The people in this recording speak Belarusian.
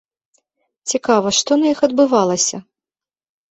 Цікава, што на іх адбывалася?